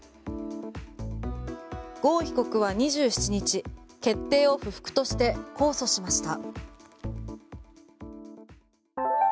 ゴーン被告は２７日決定を不服として控訴しました。